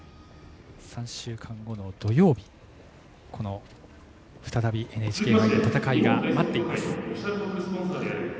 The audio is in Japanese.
３週間後の土曜日再びＮＨＫ杯で戦いが待ってます。